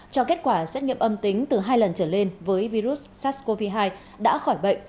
cho kết quả xét nghiệm âm tính từ hai lần trở lên với virus sars cov hai đã khỏi bệnh